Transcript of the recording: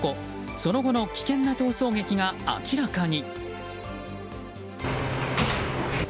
その後の危険な逃走劇が明らかに。